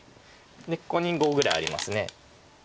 ここに５ぐらいあります。